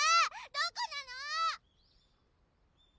どこなの？